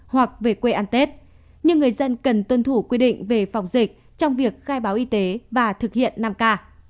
hoặc về quê ăn tết nhưng người dân cần tuân thủ quy định về phòng dịch trong việc khai báo y tế và thực hiện năm k